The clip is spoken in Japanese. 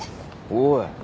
おい。